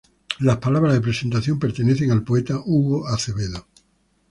Las palabras de presentación, pertenecen al poeta Hugo Acevedo.